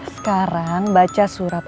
sekarang baca surat